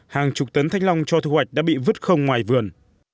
hàng chục tấn thanh long cho thu hoạch đã bị vứt không ngoài vườn